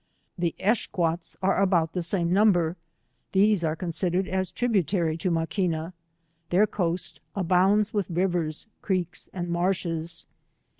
The Eshquates are about the same number; these are considered as tributary to Maquina :• Their coast abounds with rivers, creeks, and marshes.